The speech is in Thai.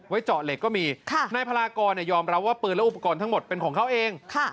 ไว้เจาะเหล็กก็มีค่ะนายภารากรเนี่ยยอมรับว่าปืนและอุปกรณ์ทั้งหมดเป็นของเขาเองค่ะ